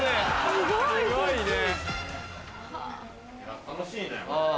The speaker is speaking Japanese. すごいね。